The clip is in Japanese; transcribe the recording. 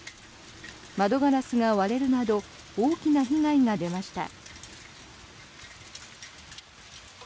窓ガラスが割れるなど大きな被害が出ました。